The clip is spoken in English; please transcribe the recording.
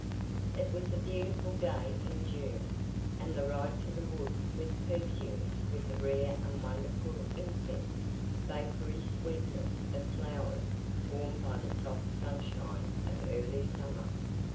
It was a beautiful day in June and the ride to the woods was perfumed with that rare and wonderful incense vapory sweetness of flowers warmed by the soft sunshine of early summer.